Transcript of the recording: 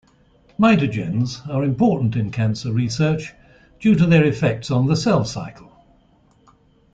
Mitogens are important in cancer research due to their effects on the cell cycle.